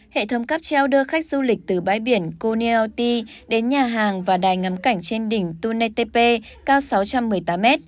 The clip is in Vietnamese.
hệ thống cắp treo đưa khách du lịch từ bãi biển koneoti đến nhà hàng và đài ngắm cảnh trên đỉnh tune tepe cao sáu trăm một mươi tám m